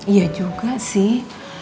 iya juga sih